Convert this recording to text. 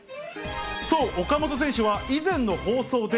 そう、岡本選手は以前の放送で。